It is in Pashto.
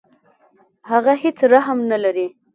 هغه هیڅ رحم نه لري.